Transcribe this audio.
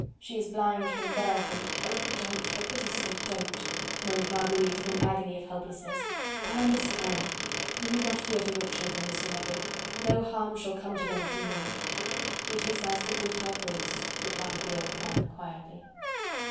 She is blind from birth and..." "Oh! don't... for pity's sake, don't..." moaned Marguerite in an agony of helplessness. "I understand... you need not fear for your children, M. l'Abbe: no harm shall come to them through me." "It is as the good God wills!" replied the old man quietly.